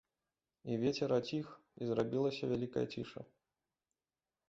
І вецер аціх, і зрабілася вялікая ціша.